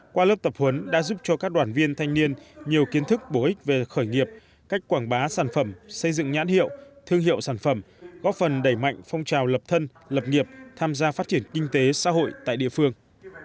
qua lớp tập huấn đã giúp cho các đoàn viên thanh niên nhiều kiến thức bổ ích về khởi nghiệp cách quảng bá sản phẩm xây dựng nhãn hiệu thương hiệu sản phẩm góp phần đẩy mạnh phong trào lập thân lập nghiệp tham gia phát triển kinh tế xã hội tại địa phương